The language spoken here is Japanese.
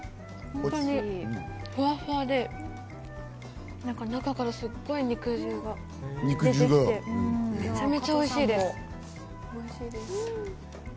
本当にふわふわで、中から、すっごい肉汁が出てきて、めちゃめちゃおいしいです！